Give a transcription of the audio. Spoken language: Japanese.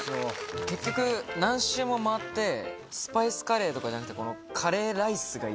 結局何周も回ってスパイスカレーとかじゃなくてこの。